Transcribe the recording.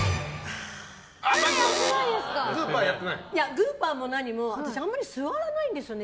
グーパーも何も私、あまり座らないんですよね。